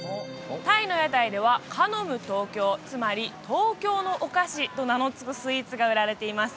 タイの屋台ではカノム・トーキョーつまり東京のお菓子と名の付くスイーツが売られています